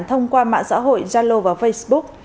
thông qua mạng xã hội yalo và facebook